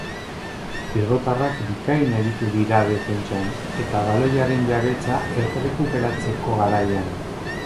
Bilbotarrak bikain aritu dira defentsan, eta baloiaren jabetza errekuperatzeko garaian.